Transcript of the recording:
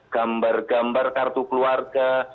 gambar gambar kartu keluarga